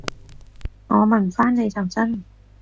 我問返你就真